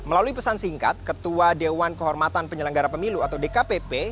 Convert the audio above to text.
melalui pesan singkat ketua dewan kehormatan penyelenggara pemilu atau dkpp